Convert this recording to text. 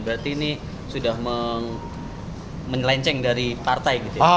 berarti ini sudah menyelenceng dari partai gitu ya